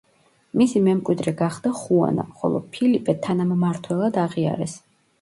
მისი მემკვიდრე გახდა ხუანა, ხოლო ფილიპე თანამმართველად აღიარეს.